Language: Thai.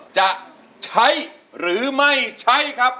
จะใช้หรือไม่ใช้ครับ